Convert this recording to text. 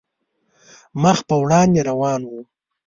مخ په وړاندې روان وو.